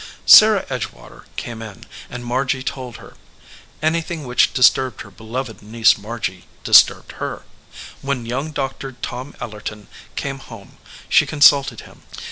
Sarah Edgewater came in, and Margy told her. Anything which disturbed her beloved niece Margy disturbed her. When young Doctor Tom Ellerton came home she consulted him.